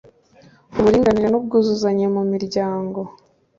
uburinganire n ubwuzuzanye mu miryango